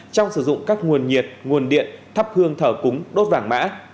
trong sử dụng các nguồn nhiệt nguồn điện thắp hương thở cúng đốt vàng mã